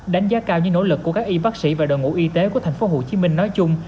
đánh giá cao những nỗ lực của các y bác sĩ và đội ngũ y tế của tp hcm nói chung